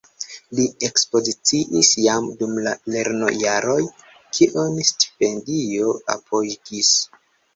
Li ekspoziciis jam dum la lernojaroj, kion stipendio apogis.